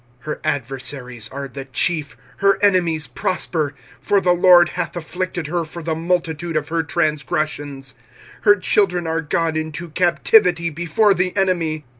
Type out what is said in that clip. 25:001:005 Her adversaries are the chief, her enemies prosper; for the LORD hath afflicted her for the multitude of her transgressions: her children are gone into captivity before the enemy.